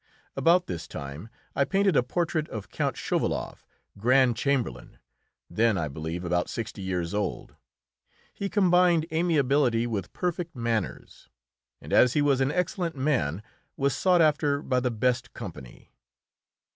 About this time I painted a portrait of Count Schouvaloff, Grand Chamberlain, then, I believe, about sixty years old. He combined amiability with perfect manners, and, as he was an excellent man, was sought after by the best company.